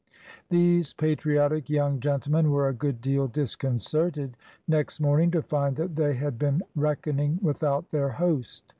These patriotic young gentlemen were a good deal disconcerted next morning to find that they had been reckoning without their host.